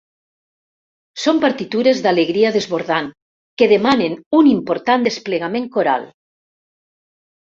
Són partitures d'alegria desbordant que demanen un important desplegament coral.